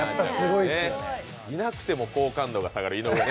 いなくても好感度が下がる井上ね。